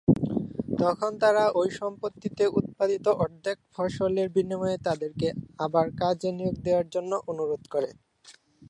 তখন তারা ঐ সম্পত্তিতে উৎপাদিত অর্ধেক ফসলের বিনিময়ে তাদেরকে আবার কাজে নিয়োগ দেয়ার জন্য অনুরোধ করে।